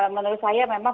menurut saya memang